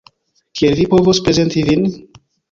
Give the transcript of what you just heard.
Kiel vi povos prezenti vin?